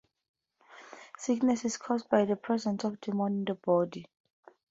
Sickness is caused by the presence of a demon in the body.